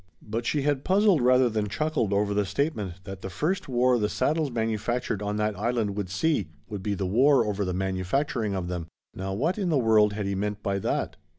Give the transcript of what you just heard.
But she had puzzled rather than chuckled over the statement that the first war the saddles manufactured on that Island would see would be the war over the manufacturing of them. Now what in the world had he meant by that?